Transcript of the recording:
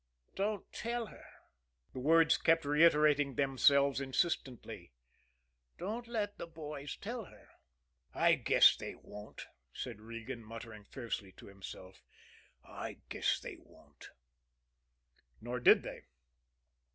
"Don't tell her" the words kept reiterating themselves insistently "don't let the boys tell her." "I guess they won't," said Regan, muttering fiercely to himself. "I guess they won't." Nor did they.